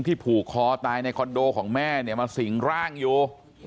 ที่ผูกคอตายในคอนโดของแม่มาสิ่งร่างอยู่